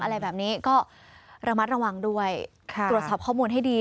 อะไรแบบนี้ก็ระมัดระวังด้วยตรวจสอบข้อมูลให้ดี